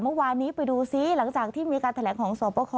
เมื่อวานนี้ไปดูซิหลังจากที่มีการแถลงของสวบคอ